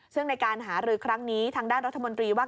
ซึ่งในการหารือครั้งนี้ทางด้านรัฐมนตรีว่า